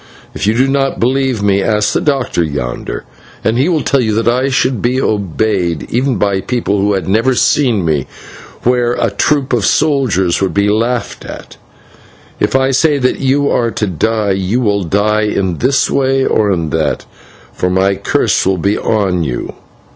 If you do not believe me, ask the doctor yonder, and he will tell you that I should be obeyed, even by people who had never seen me, where a troop of soldiers would be laughed at. If I say that you are to die, you will die in this way or in that, for my curse will be on you.